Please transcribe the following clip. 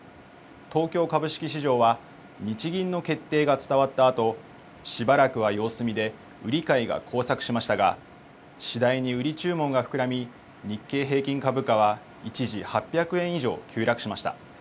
東京株式市場は、日銀の決定が伝わったあと、しばらくは様子見で、売り買いが交錯しましたが、次第に売り注文が膨らみ、日経平均株価は一時８００円以上急落しました。